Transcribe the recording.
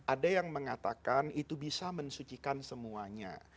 ada yang mengatakan itu bisa mensucikan semuanya